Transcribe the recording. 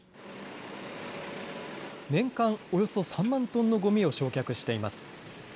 年間およそ３万トンのごみを焼却しています。